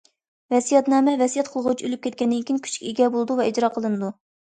ۋەسىيەتنامە ۋەسىيەت قىلغۇچى ئۆلۈپ كەتكەندىن كېيىن كۈچكە ئىگە بولىدۇ ۋە ئىجرا قىلىنىدۇ.